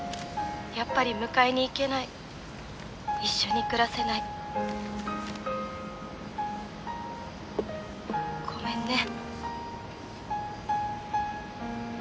やっぱり迎えに行けない」「一緒に暮らせない」「ごめんね」